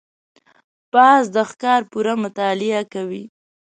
باز د ښکار پوره مطالعه کوي